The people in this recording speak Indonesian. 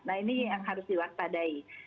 nah ini yang harus diwaspadai